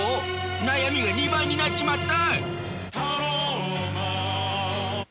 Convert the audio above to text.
悩みが２倍になっちまった！